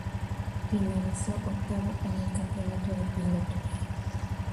Finalizó octavo en el Campeonato de Pilotos.